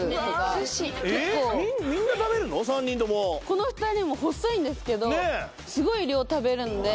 この２人も細いんですけどすごい量食べるんで。